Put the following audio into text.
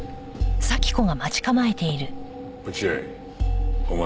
落合お前。